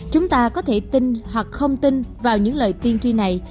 chúng ta có thể tin hoặc không tin vào những lời tiên tri này